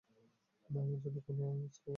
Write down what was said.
আমার জন্য অন্য কোনও স্কুপ আছে?